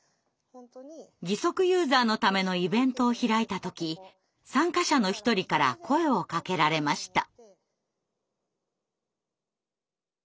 義足ユーザーのためのイベントを開いた時参加者の一人から声をかけられました。